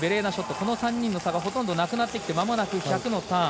この３人の差がほとんどなくなって１００のターン。